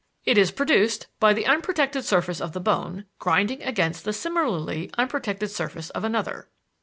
It is produced by the unprotected surface of the bone grinding against the similarly unprotected surface of another."